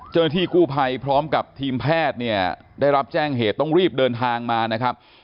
เจ้าหน้าที่กู้ภัยพร้อมกับทีมแพทย์เนี่ยได้รับแจ้งเหตุต้องรีบเดินทางมานะครับ